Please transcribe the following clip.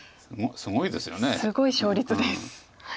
すごい勝率です。